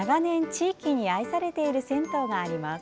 住宅街の中に長年、地域に愛されている銭湯があります。